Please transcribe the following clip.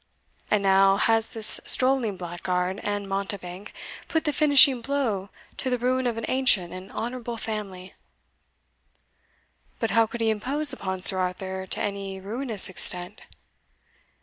And now has this strolling blackguard and mountebank put the finishing blow to the ruin of an ancient and honourable family!" "But how could he impose upon Sir Arthur to any ruinous extent?"